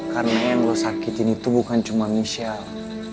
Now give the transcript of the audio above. karena yang lo sakitin itu bukan cuma michelle